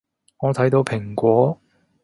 我睇到蘋果